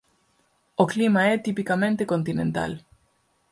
O clima é tipicamente continental.